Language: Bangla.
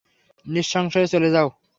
নিঃসংশয়ে চলে যাও।